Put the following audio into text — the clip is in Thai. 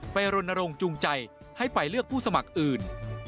รณรงค์จูงใจให้ไปเลือกผู้สมัครอื่น